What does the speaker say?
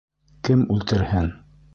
— Кем үлтерһен...